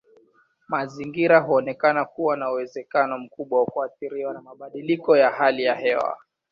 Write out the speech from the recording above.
Mazingira huonekana kuwa na uwezekano mkubwa wa kuathiriwa na mabadiliko ya hali ya hewa.